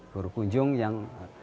guru kunjung yang